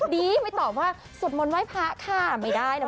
ไม่ตอบว่าสวดมนต์ไหว้พระค่ะไม่ได้นะ